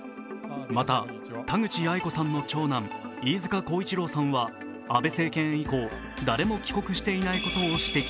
また、田口八重子さんの長男・飯塚耕一郎さんは安倍政権以降、誰も帰国していないことを指摘。